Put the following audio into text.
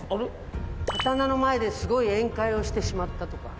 刀の前ですごい宴会をしてしまったとか。